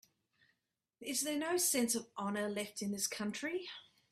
Is there no sense of honor left in this country?